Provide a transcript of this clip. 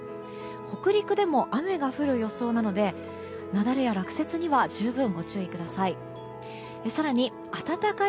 北陸でも雨が降る予想なので雪崩や落雪には十分ご注意ください。